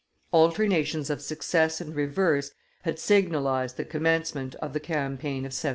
Alternations of success and reverse had signalized the commencement of the campaign of 1781.